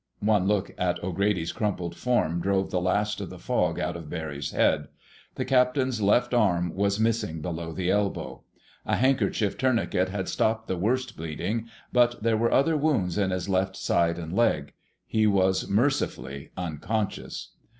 One look at O'Grady's crumpled form drove the last of the fog out of Barry's head. The captain's left arm was missing below the elbow. A handkerchief tourniquet had stopped the worst bleeding, but there were other wounds on his left side and leg. He was mercifully unconscious.